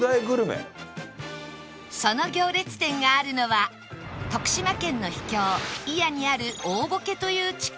その行列店があるのは徳島県の秘境祖谷にある大歩危という地区